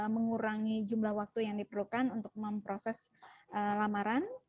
mengurangi jumlah waktu yang diperlukan untuk memproses lamaran